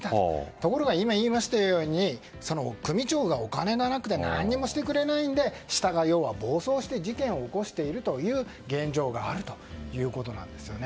ところが今、言いましたように、組長がお金がなく何もしてくれないので下が暴走して事件を起こしているという現状があるんですね。